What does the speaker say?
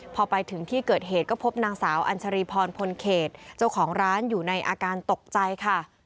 พอไปถึงที่เกิดเหตุก็พบนางสาวอัญชรีพรพลเขตเจ้าของร้านอยู่ในอาการตกใจค่ะ